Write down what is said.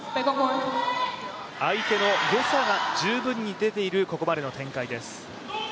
相手のよさが十分に出ている、ここまでの展開です。